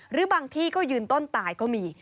หรือบางที่ก็ยืนต้นตายก็มี